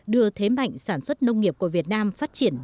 đưa thế mạnh sản xuất nông nghiệp của việt nam phát triển